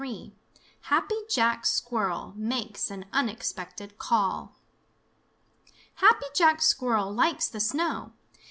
XXIII HAPPY JACK SQUIRREL MAKES AN UNEXPECTED CALL Happy Jack Squirrel likes the snow.